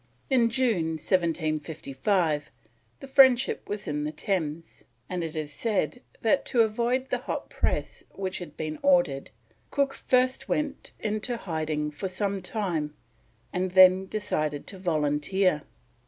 In June 1755 the Friendship was in the Thames, and it is said that to avoid the hot press which had been ordered Cook first went into hiding for some time and then decided to volunteer.